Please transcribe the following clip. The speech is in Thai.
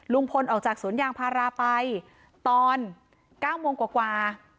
ลุงพลออกจากสวนยางพาราไปตอน๙โมงกว่า